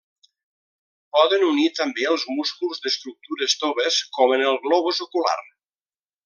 Poden unir també els músculs d'estructures toves com en el globus ocular.